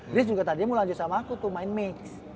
grace juga tadinya mau lanjut sama aku tuh main mix